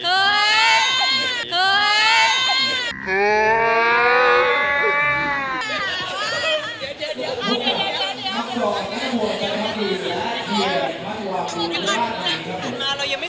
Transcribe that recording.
นะครับ